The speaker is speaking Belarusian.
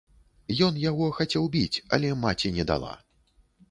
Ён яго хацеў біць, але маці не дала.